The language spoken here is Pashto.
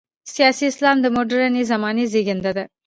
سیاسي اسلام د مډرنې زمانې زېږنده ده.